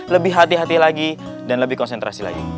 lebih hati hati lagi dan lebih konsentrasi lagi